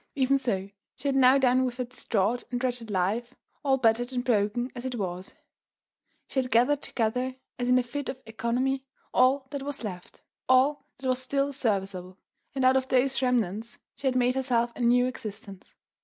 Even so she had now done with her distraught and wretched life, all battered and broken as it was: she had gathered together, as in a fit of economy, all that was left, all that was still serviceable; and out of those remnants she had made herself a new existence.